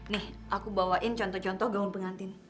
nih aku bawain contoh contoh gaun pengantin